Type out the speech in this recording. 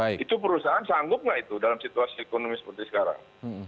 itu perusahaan sanggup nggak itu dalam situasi ekonomi seperti sekarang